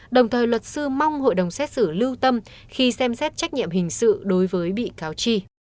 đồng thời luật sư mong hội đồng xét xử lưu tâm khi xem xét trách nhiệm hình sự đối với bị cáo chi